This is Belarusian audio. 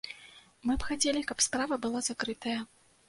Мы б хацелі, каб справа была закрытая.